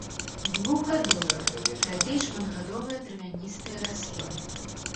Двухгадовыя, радзей шматгадовыя травяністыя расліны.